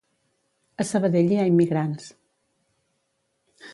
A Sabadell hi ha immigrants